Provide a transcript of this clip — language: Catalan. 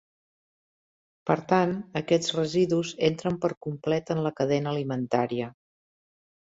Per tant, aquests residus entren per complet en la cadena alimentària.